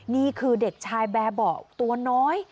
นี่คือเด็กชายแบร์เบาะตัวน้อย